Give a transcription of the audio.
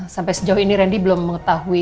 sampai sejauh ini randy belum mengetahui